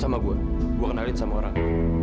sama gua gua kenalin sama orang